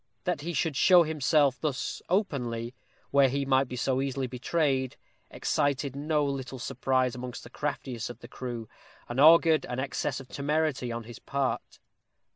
That he should show himself thus openly, where he might be so easily betrayed, excited no little surprise among the craftiest of the crew, and augured an excess of temerity on his part.